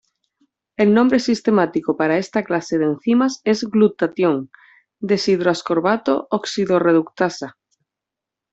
El nombre sistemático para esta clase de enzimas es glutatión:deshidroascorbato oxidorreductasa.